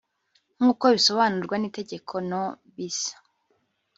nk'uko bisobanurwa n'itegeko no bis